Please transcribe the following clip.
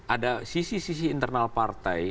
ada sisi sisi internal partai